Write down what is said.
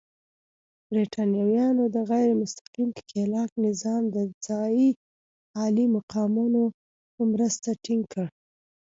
برېټانویانو د غیر مستقیم ښکېلاک نظام د ځايي عالي مقامانو په مرسته ټینګ کړ.